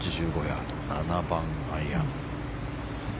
１８５ヤード７番アイアン。